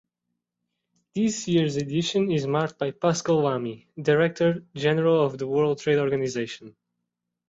This year's edition is marked by Pascal Lamy, Director-General of the World Trade Organization.